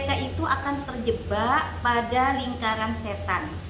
akan terjebak pada lingkaran setan